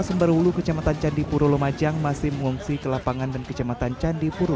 sumberwuluh kecematan candipuro lumacang masih mengungsi ke lapangan dan kecematan candipuro